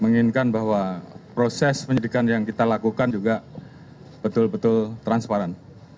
menginginkan bahwa proses penyelidikan yang kita lakukan juga betul betul transparan